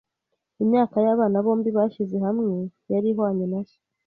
Imyaka y'abana bombi bashyize hamwe yari ihwanye na se